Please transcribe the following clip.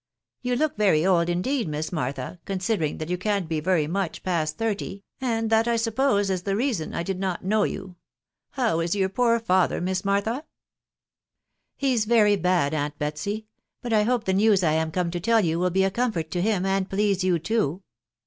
SYou look very oJd indeed, Miss Martha, consider* *t& that you can't be very mwek past thirty, andxhaXl sn$$«a* THB WIDOW BAKNABT. 93 is the reason I did not know you. flow is your poor father. Miss Martha*?" cc He's rery bad, aunt Betsy ; but I hope the news I am come to tell you will be a comfort to him, and please you too.